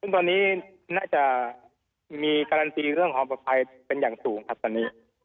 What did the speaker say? ซึ่งตอนนี้น่าจะมีการันตีเรื่องความปลอดภัยเป็นอย่างสูงครับตอนนี้